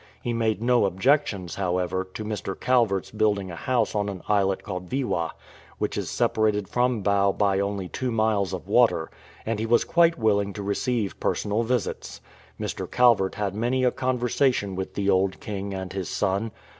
He made no objections, however, to Mr. Calverfs building a house on an islet called Viwa, which is separated from Bau by only two miles of water, and he was quite v/illing to receive personal visits. Mr. Calvert had many a conversation with the old king and his son.